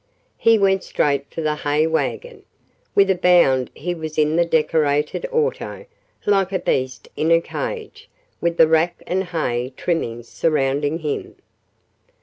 He went straight for the hay wagon. With a bound he was in the decorated auto, like a beast in a cage, with the rack and hay trimmings surrounding him.